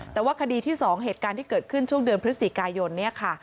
แต่ว่าคดีที่๒เหตุการณ์ที่เกิดขึ้นช่วงเดือนพฤศจิกายนเนี่ยค่ะ